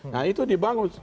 nah itu dibangun